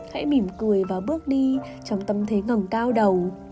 hãy mỉm cười và bước đi trong tâm thế ngầng cao đầu